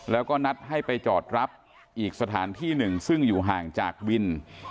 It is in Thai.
แล้วก็นัดให้ไปจอดรับอีกสถานที่หนึ่งซึ่งอยู่ห่างจากวิน